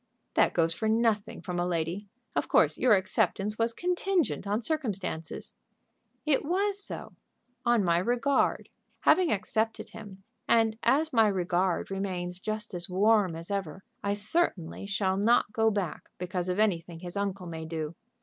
"That goes for nothing from a lady. Of course your acceptance was contingent on circumstances." "It was so; on my regard. Having accepted him, and as my regard remains just as warm as ever, I certainly shall not go back because of anything his uncle may do.